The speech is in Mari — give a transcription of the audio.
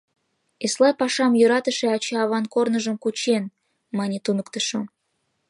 — Эслай пашам йӧратыше ача-аван корныжым кучен, — мане туныктышо.